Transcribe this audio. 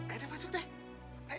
ayo masuk deh